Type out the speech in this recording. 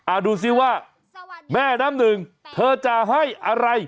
ดูสิว่าแม่น้ำหนึ่งเธอจะให้อะไร